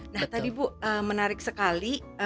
nah tadi bu menarik sekali